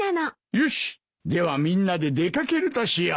よしではみんなで出掛けるとしよう。